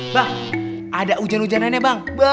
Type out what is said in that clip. bang ada ujian ujianannya bang